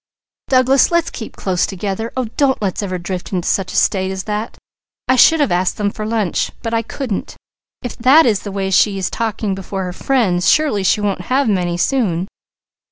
Douglas, let's keep close together! Oh don't let's ever drift into such a state as that. I should have asked them to lunch, but I couldn't. If that is the way she is talking before her friends, surely she won't have many, soon."